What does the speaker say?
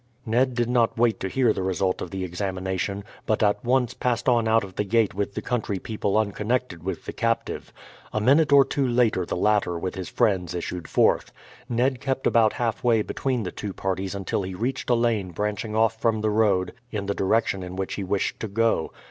Ned did not wait to hear the result of the examination, but at once passed on out of the gate with the country people unconnected with the captive. A minute or two later the latter with his friends issued forth. Ned kept about halfway between the two parties until he reached a lane branching off from the road in the direction in which he wished to go.